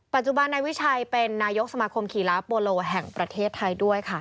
ปัจจุบันนายวิชัยเป็นนายกสมาคมกีฬาฟโปโลแห่งประเทศไทยด้วยค่ะ